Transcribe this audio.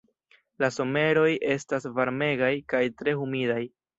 La someroj estas varmegaj kaj tre humidaj.